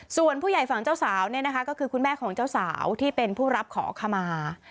ส่วนผู้ใหญ่ฝั่งเจ้าสาวเนี่ยนะคะก็คือคุณแม่ของเจ้าสาวที่เป็นผู้รับขอขมา